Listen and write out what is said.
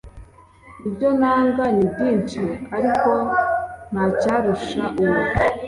ibyo nanga ni byinshi, ariko nta cyarusha uwo